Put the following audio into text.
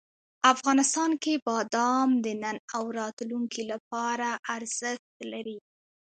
افغانستان کې بادام د نن او راتلونکي لپاره ارزښت لري.